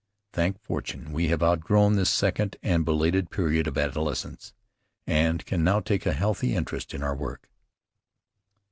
Thank Fortune, we have outgrown this second and belated period of adolescence and can now take a healthy interest in our work.